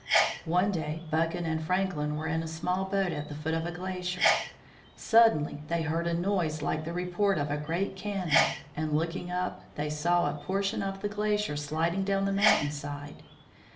One day Buchan and Franklin were in a small boat at the foot of a glacier. Suddenly they heard a noise like the report of a great cannon, and looking up, they saw a portion of the glacier sliding down the mountain side.